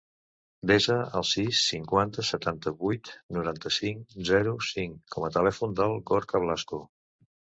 Desa el sis, cinquanta, setanta-vuit, noranta-cinc, zero, cinc com a telèfon del Gorka Blasco.